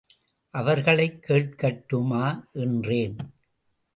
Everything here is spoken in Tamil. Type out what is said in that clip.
அவர்களைக் கேட்கட்டுமா? என்றேன்.